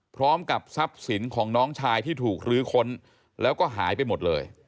พร้อมกับทรัพย์สินของน้องชายที่ถูกลื้อค้นแล้วก็หายไปหมดเลย